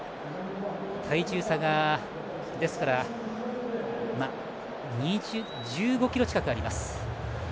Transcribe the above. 体重差が１５ｋｇ近くあります。